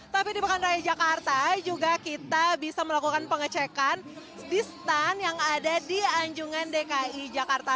tapi di pekan raya jakarta juga kita bisa melakukan pengecekan di stand yang ada di anjungan dki jakarta